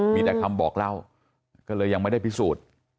มีแต่คำบอกเล่าก็เลยยังไม่ได้พิสูจน์